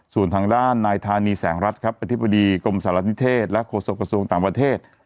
ส่วนทางด้านนายธานีแสงรัฐครับอธิบดีกรมสารณิเทศและโฆษกระทรวงต่างประเทศ